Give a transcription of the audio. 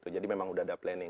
jadi memang udah ada planning